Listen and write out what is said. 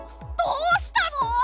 どうしたの！？